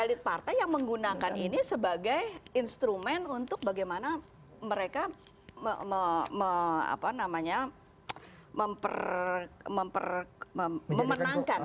elit partai yang menggunakan ini sebagai instrumen untuk bagaimana mereka memenangkan